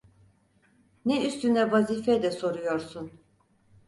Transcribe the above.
Ne üstüne vazife de soruyorsun?